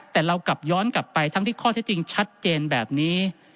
แต่เรากลับย้อนกลับไปทั้งที่ข้อเท็จจริงชัดเจนแบบนี้